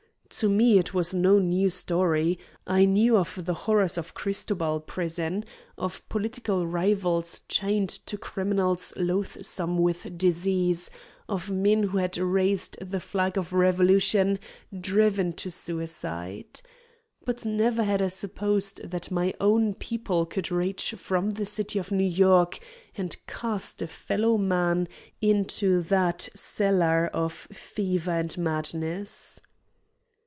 To me it was no new story. I knew of the horrors of Cristobal prison; of political rivals chained to criminals loathsome with disease, of men who had raised the flag of revolution driven to suicide. But never had I supposed that my own people could reach from the city of New York and cast a fellow man into that cellar of fever and madness.